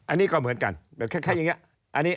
อันนี้ก็เหมือนกันแบบคล้ายอย่างนี้